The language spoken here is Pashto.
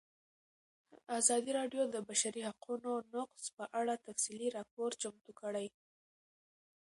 ازادي راډیو د د بشري حقونو نقض په اړه تفصیلي راپور چمتو کړی.